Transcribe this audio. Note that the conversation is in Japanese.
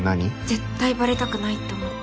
絶対バレたくないって思った。